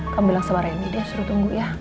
kamu bilang sama randy deh suruh tunggu ya